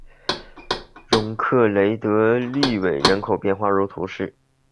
容克雷德利韦人口变化图示